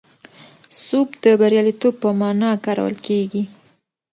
سوب د بریالیتوب په مانا کارول کېږي.